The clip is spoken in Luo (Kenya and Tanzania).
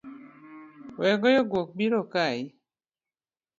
Wegoyo guok biro kayi